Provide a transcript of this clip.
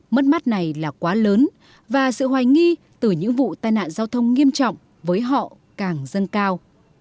mất mắt này là quá lớn và sự hoài nghi từ những vụ tai nạn giao thông nghiêm trọng với họ càng dân cao